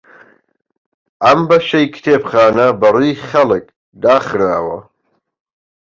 ئەم بەشەی کتێبخانە بەڕووی خەڵک داخراوە.